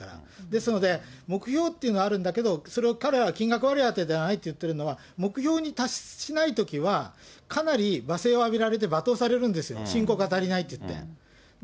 ですので、目標っていうのはあるんだけど、それを彼らは金額割り当てではないと言ってるのは、目標に達しないときは、かなり罵声を浴びせられて、罵倒されるんですよね、信仰が足りないといって。